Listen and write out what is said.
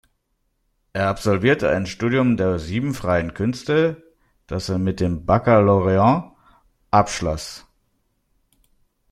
Er absolvierte ein Studium der Sieben Freien Künste, das er mit dem Bakkalaureat abschloss.